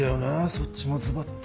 そっちもズバっと。